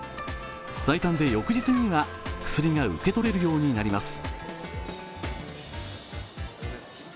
最短で翌日には薬が受け取れるようになります。